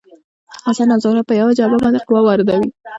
حسن او زهره په یوه جعبه باندې قوه واردوي.